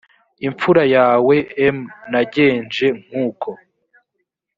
imfura yawe m nagenje nk uko